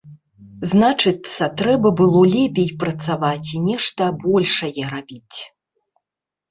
Значыцца, трэба было лепей працаваць і нешта большае рабіць.